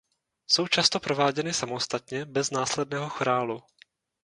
Jsou často prováděny samostatně bez následného chorálu.